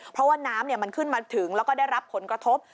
เพราะว่าน้ำมันขึ้นมาถึงแล้วก็ได้รับผลกระทบ